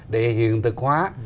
để hiện thực hóa